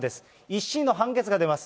１審の判決が出ます。